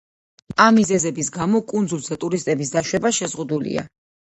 ამ მიზეზების გამო კუნძულზე ტურისტების დაშვება შეზღუდულია.